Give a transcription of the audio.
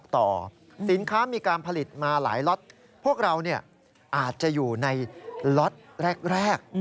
ติดมาหลายล็อตพวกเราอาจจะอยู่ในล็อตแรก